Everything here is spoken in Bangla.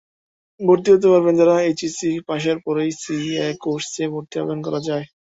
ভর্তি হতে পারবেন যাঁরাএইচএসসি পাসের পরই সিএ কোর্সে ভর্তির আবেদন করা যায়।